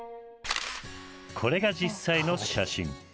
これが実際の写真。